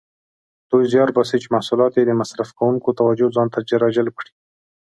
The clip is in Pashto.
دوی زیار باسي چې محصولات یې د مصرف کوونکو توجه ځانته راجلب کړي.